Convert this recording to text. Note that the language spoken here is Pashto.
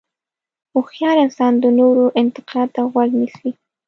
هوښیار انسان د نورو انتقاد ته غوږ نیسي.